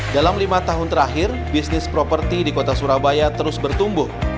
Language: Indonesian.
dalam lima tahun terakhir bisnis properti di kota surabaya terus bertumbuh